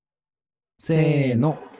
せの。